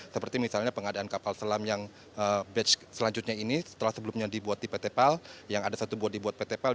seperti misalnya pengadaan kapal selam yang batch selanjutnya ini setelah sebelumnya dibuat di pt pal yang ada satu buat dibuat pt pal